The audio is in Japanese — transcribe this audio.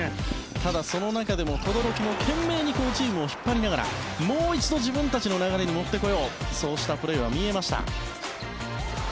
ただ、その中でも轟は懸命にチームを引っ張りながらもう一度自分たちの流れに持ってこようそうしたプレーは見えました。